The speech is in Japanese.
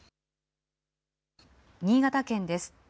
新潟県です。